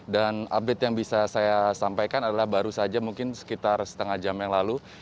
dan update yang bisa saya sampaikan adalah baru saja mungkin sekitar setengah jam yang lalu